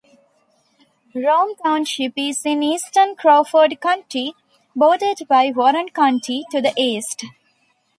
Rome Township is in eastern Crawford County, bordered by Warren County to the east.